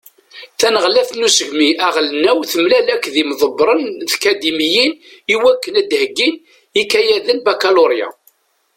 Taneɣlaft n usegmi aɣelnaw temlal akked imḍebbṛen n tkadimiyin iwakken ad heggin ikayaden Bakaluṛya.